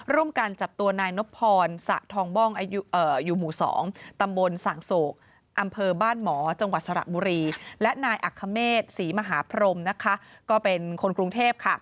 ร่วมกันจับตัวนนสทบอยมศตแสอบมศสหมรีและนอขสมเป็นคนกรุงเทพ